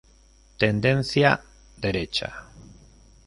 Tendencia: derecha.